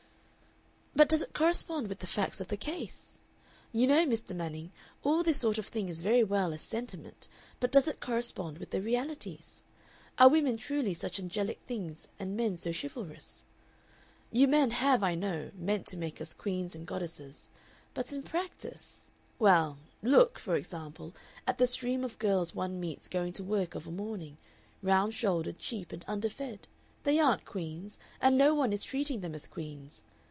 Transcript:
"But does it correspond with the facts of the case? You know, Mr. Manning, all this sort of thing is very well as sentiment, but does it correspond with the realities? Are women truly such angelic things and men so chivalrous? You men have, I know, meant to make us Queens and Goddesses, but in practice well, look, for example, at the stream of girls one meets going to work of a morning, round shouldered, cheap, and underfed! They aren't queens, and no one is treating them as queens.